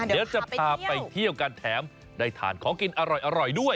เดี๋ยวจะพาไปเที่ยวกันแถมได้ทานของกินอร่อยด้วย